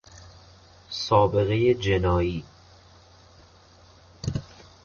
سابقهی جنایی